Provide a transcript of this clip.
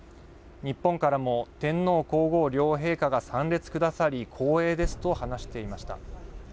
日本からも天皇皇后両陛下が参列くださり光栄ですと話していました。